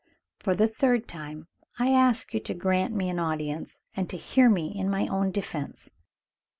For the third time I ask you to grant me an audience, and to hear me in my own defense."